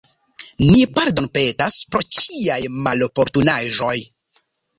Ni pardonpetas pro ĉiaj maloportunaĵoj.